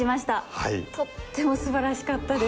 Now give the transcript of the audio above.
とっても素晴らしかったです。